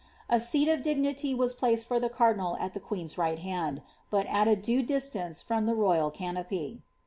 A seat of dignity was placed for the cardinal at the queen's right hand, but at a due distance from the rojral canopy.